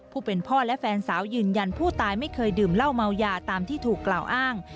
ผู้เป็นพ่อและแฟนสาวยืนยันผู้ตายไม่เคยดื่มเหล้าเมายาตามที่ถูกกล่าวอ้าง